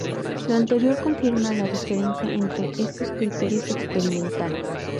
Lo anterior confirma la diferencia entre estos criterios experimentales.